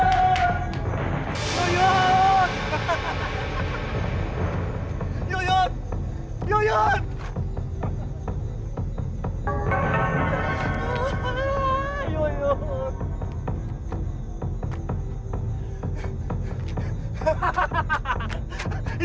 kita keluar dari duit kepuncak itu